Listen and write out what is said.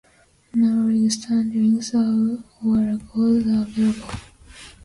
No league standings or records are available.